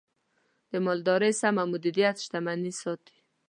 د مالدارۍ سمه مدیریت، شتمني ساتي.